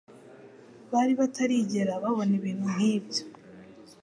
Bari batarigera babona ibintu nk'ibyo.